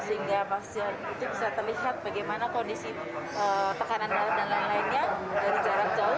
sehingga pasien itu bisa terlihat bagaimana kondisi tekanan darah dan lain lainnya dari jarak jauh